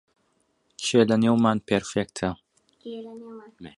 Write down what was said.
کێ لەنێومان پێرفێکتە؟